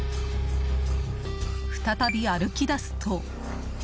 再び歩き出すと。